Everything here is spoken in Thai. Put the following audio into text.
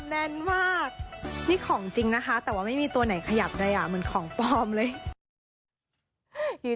ดีดูเสร็จข้าวกินบ่อยหรอดี